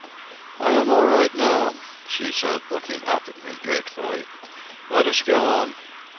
"I am all right now," she said, looking up at me gratefully. "Let us go on."